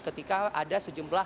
ketika ada sejumlah